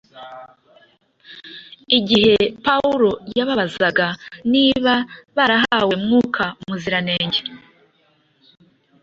Igihe Pawulo yababazaga niba barahawe Mwuka Muziranenge